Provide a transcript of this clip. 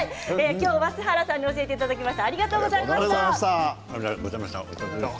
今日は栖原さんに教えていただきました。